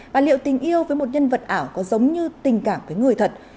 bà liệu tình yêu với một nhân vật ảo có giống như tình cảm với người thật